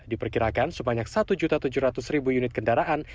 diperkirakan sebanyak satu tujuh ratus unit kendaraan